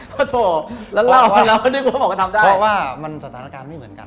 พระโธ่แล้วนึกว่าบอกว่าทำได้เพราะว่ามันสถานการณ์ไม่เหมือนกัน